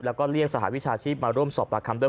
แล้วก็เรียกสหวิชาชีพมาร่วมสอบปากคำด้วย